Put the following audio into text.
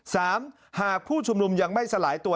หากผู้ชุมนุมยังไม่สลายตัว